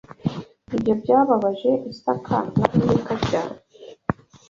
Ibyo byababaje Isaka na Rebeka cyane